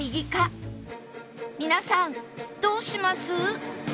皆さんどうします？